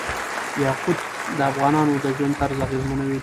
یاقوت د افغانانو د ژوند طرز اغېزمنوي.